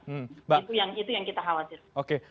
itu yang kita khawatir